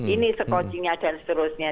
ini sekocingnya dan seterusnya